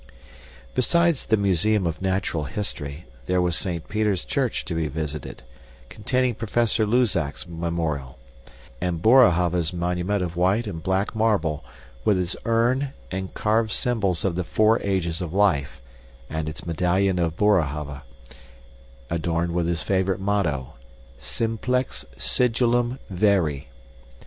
Besides the Museum of Natural History, there was Saint Peter's Church to be visited, containing Professor Luzac's memorial, and Boerhaave's monument of white and black marble, with its urn and carved symbols of the four ages of life, and its medallion of Boerhaave, adorned with his favorite motto, Simplex sigillum veri.